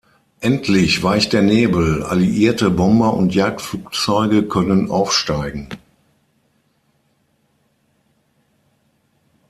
Endlich weicht der Nebel, alliierte Bomber und Jagdflugzeuge können aufsteigen.